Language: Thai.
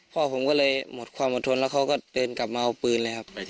พ่อผมก็เลยหมดความอดทนแล้วเขาก็เดินกลับมาเอาปืนเลยครับ